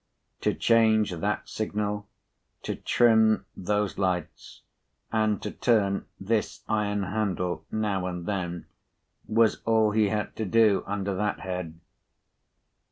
To change that signal, to trim those lights, and to turn this iron handle now and then, was all he had to do under that head.